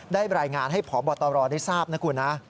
ได้รายงานให้ผอบตรได้ทราบนะครับคุณ